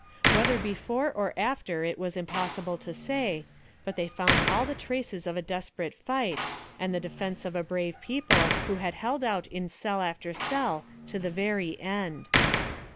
Whether before or after it was impossible to say, but they found all the traces of a desperate fight, and the defence of a brave people who had held out in cell after cell to the very end.